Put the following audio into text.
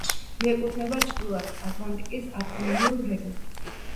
მიეკუთვნება ჩრდილოეთ ატლანტიკის ავტონომიურ რეგიონს.